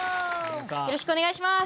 よろしくお願いします。